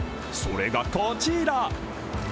それがこちら。